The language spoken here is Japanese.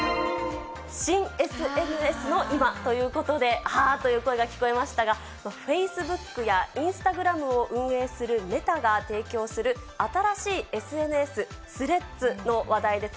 新ＳＮＳの今ということで、あーという声が聞こえましたが、フェイスブックやインスタグラムを運営するメタが提供する新しいＳＮＳ、スレッズの話題です。